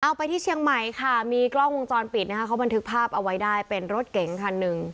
ไปที่เชียงใหม่ค่ะมีกล้องวงจรปิดนะคะเขาบันทึกภาพเอาไว้ได้เป็นรถเก๋งคันหนึ่ง